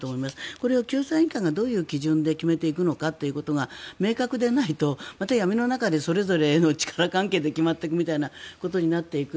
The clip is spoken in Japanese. これを救済委員会がどういう基準で決めていくのかが明確でないとまた闇の中でそれぞれの力関係で決まっていくみたいなことになっていく。